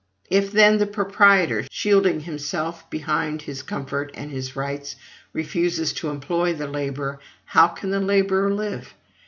If, then, the proprietor, shielding himself behind his comfort and his rights, refuses to employ the laborer, how can the laborer live?